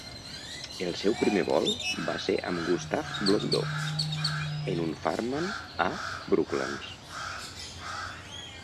El seu primer vol va ser amb Gustave Blondeau en un Farman a Brooklands.